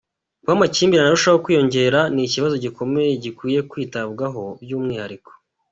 Kuba amakimbirane arushaho kwiyongera ni ikibazo gikomeye gikwiye kwitabwaho by’umwihariko.